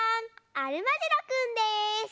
アルマジロくんです！